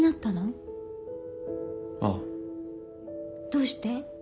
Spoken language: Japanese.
どうして？